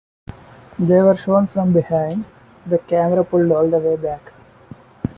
They were shown from behind; the camera pulled all the way back.